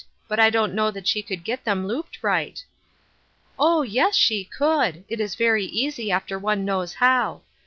But I don't know that she could get them looped right." " Oh yes, she could. It is very easy after one knows how.